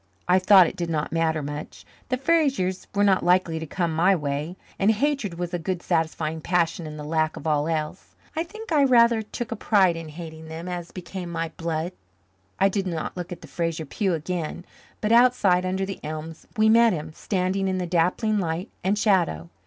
I thought it did not matter much. The Frasers were not likely to come my way, and hatred was a good satisfying passion in the lack of all else. I think I rather took a pride in hating them as became my blood. I did not look at the Fraser pew again, but outside, under the elms, we met him, standing in the dappling light and shadow.